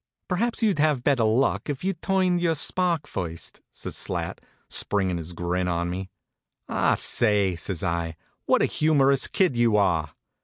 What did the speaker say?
" Perhaps you d have better luck if you turned on your spark first," says Slat, springin his grin on me. " Ah, say! " says I. What a humorous kid you are